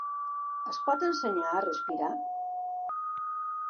Es pot ensenyar a respirar?